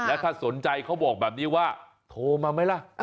แล้วถ้าสนใจเขาบอกแบบนี้ว่าโทรมาไหมล่ะ